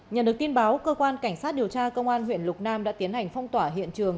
nhận được tin báo cơ quan cảnh sát điều tra công an huyện lục nam đã tiến hành phong tỏa hiện trường